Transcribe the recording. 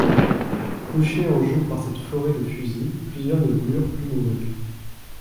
Couchés en joue par cette forêt de fusils, plusieurs ne voulurent plus mourir.